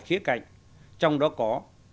khía cạnh trong đó có